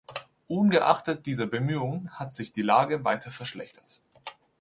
Ungeachtet dieser Bemühungen hat sich die Lage weiter verschlechtert.